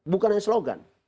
bukan hanya slogan